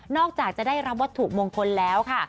อกจากจะได้รับวัตถุมงคลแล้วค่ะ